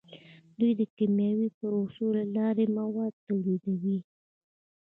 دوی د کیمیاوي پروسو له لارې مواد تولیدوي.